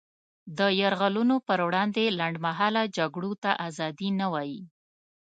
د یرغلونو پر وړاندې لنډمهاله جګړو ته ازادي نه وايي.